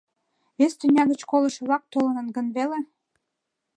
— Вес тӱня гыч колышо-влак толыныт гын веле?